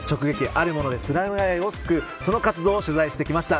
あるものでスラム街を救うその活動を取材してきました。